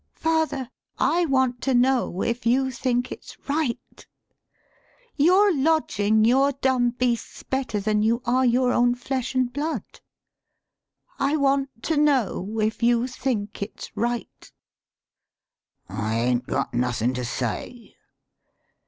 Father, I want to know if you think it's right. You're lodgin' your dumb beasts better than you are your own flesh an' blood. I want to know if you think it's right." 164 THE SHORT STORY "I 'ain't got nothin' to say."